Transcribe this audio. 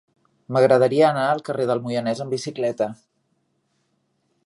M'agradaria anar al carrer del Moianès amb bicicleta.